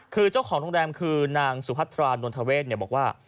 คือเจ้าของโรงแรมคือนางสุพัทรานนทเวศบอกว่า